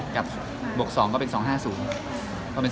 กับบวก๒ก็เป็น๒๕๐